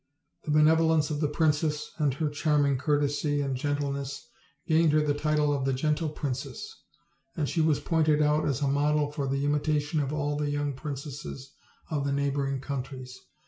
The benevolence of the princess, and her charming courtesy and gentleness, gained her the title of "The Gentle Princess," and she was pointed out as a model for the imitation of all the young princesses of the neighboring countries.